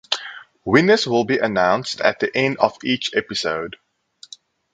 Winners will be announced at the end of each episode.